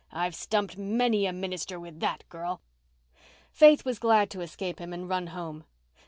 I've stumped many a minister with that, girl." Faith was glad to escape him and run home.